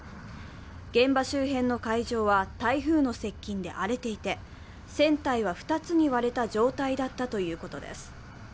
現場周辺の海上は台風の接近で荒れていて、船体は２つに割れた状態だったということです。